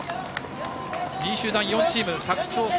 ２位集団は４チーム佐久長聖、